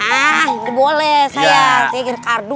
ah boleh saya kaget kardus